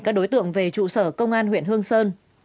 các đối tượng về trụ sở công an huyện hương sơn